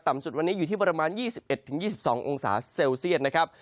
สุดวันนี้อยู่ที่ประมาณ๒๑๒๒องศาเซลเซียตนะครับ